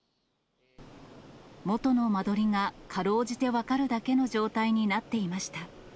元の間取りがかろうじて分かるだけの状態になっていました。